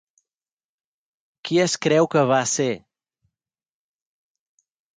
Qui es creu que va ser?